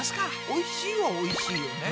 おいしいはおいしいよね。